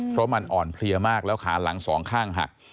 เพราะมันอ่อนเพลียมากแล้วขาหลังสองข้างหัก